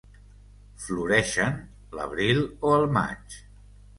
Floreixen l'abril o el maig.